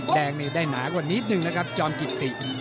แดงนี่ได้หนากว่านิดนึงนะครับจอมกิติ